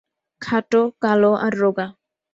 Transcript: খাটো, কালো আর রোগা।